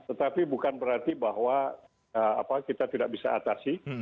tetapi bukan berarti bahwa kita tidak bisa atasi